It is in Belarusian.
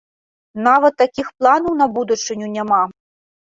Нават такіх планаў на будучыню няма?